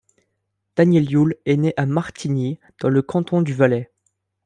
Daniel Yule est né à Martigny dans le canton du Valais.